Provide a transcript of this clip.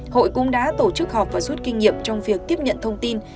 hội cũng đã tổ chức họp và rút kinh nghiệm trong việc tiếp nhận thông tin